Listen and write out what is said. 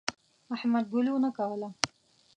احمد ګلو نه کوله.